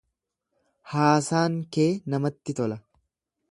Haasaan kee namatti tola.